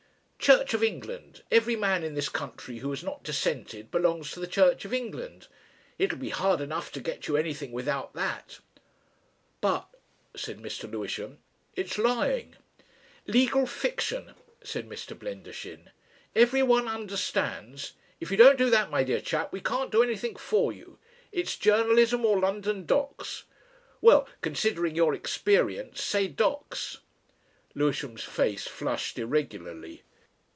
"Church of England. Every man in this country who has not dissented belongs to the Church of England. It'll be hard enough to get you anything without that." "But " said Mr. Lewisham. "It's lying." "Legal fiction," said Mr. Blendershin. "Everyone understands. If you don't do that, my dear chap, we can't do anything for you. It's Journalism, or London docks. Well, considering your experience, say docks." Lewisham's face flushed irregularly.